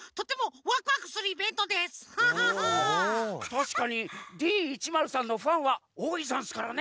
たしかにＤ１０３のファンはおおいざんすからね。